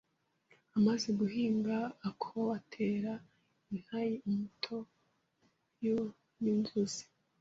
amaze guhinga a’akowa atera intaire imuto y’uuro n’inzuzi